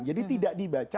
jadi tidak dibaca